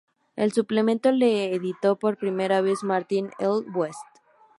El suplemento lo editó por vez primera Martin L. West.